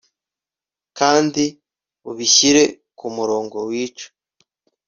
Kandi ubishyire kumurongo wica